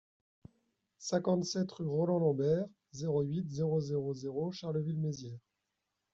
cinquante-sept rue Roland Lambert, zéro huit, zéro zéro zéro Charleville-Mézières